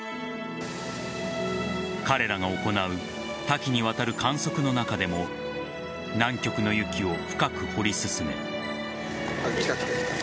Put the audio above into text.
彼らが行う多岐にわたる観測の中でも南極の雪を深く掘り進め。